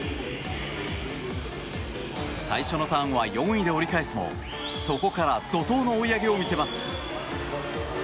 最初のターンは４位で折り返すもそこから怒涛の追い上げを見せます。